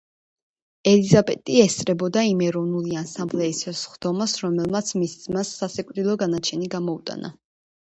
ელიზაბეტი ესწრებოდა იმ ეროვნული ანსამბლეის სხდომას, რომელმაც მის ძმას სასიკვდილო განაჩენი გამოუტანა.